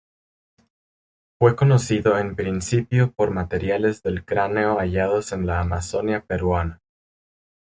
Fue conocido en principio por materiales del cráneo hallados en la Amazonia peruana.